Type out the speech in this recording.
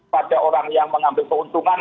pada orang yang mengambil keuntungan